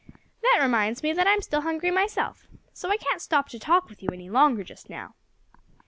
"That reminds me that I'm still hungry myself. So I can't stop to talk with you any longer just now."